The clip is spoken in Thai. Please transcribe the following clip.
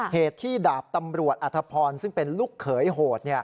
เหตุที่ดาบตำรวจอธพรซึ่งเป็นลูกเขยโหด